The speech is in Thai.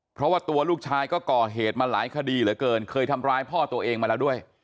เพราะว่าตัวลูกชายก็ก่อเหตุมาหลายคดีเหลือเกินเคยทำร้ายพ่อตัวเองมาแล้วด้วย